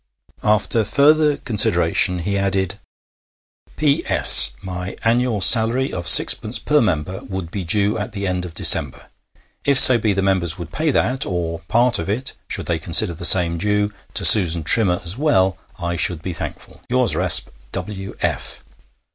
After further consideration he added: 'P.S. My annual salary of sixpence per member would be due at the end of December. If so be the members would pay that, or part of it, should they consider the same due, to Susan Trimmer as well, I should be thankful. Yours resp, W.F.'